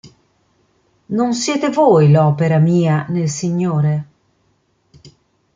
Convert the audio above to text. Non siete voi l'opera mia nel Signore?